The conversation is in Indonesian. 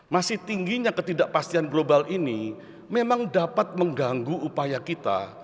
masih tingginya ketidakpastian global ini memang dapat mengganggu upaya kita